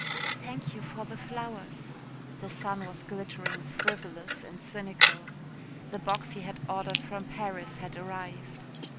"Thank you for the flowers." The sun was glittering frivolous and cynical. The box he had ordered from Paris had arrived.